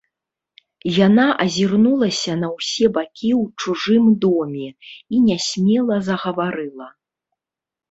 Яна азірнулася на ўсе бакі ў чужым доме і нясмела загаварыла.